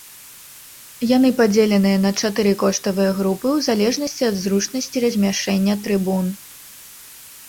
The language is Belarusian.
Яны падзеленыя на чатыры коштавыя групы ў залежнасці ад зручнасці размяшчэння трыбун.